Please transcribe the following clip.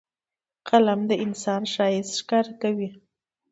قلم د انسان ښایست ښکاره کوي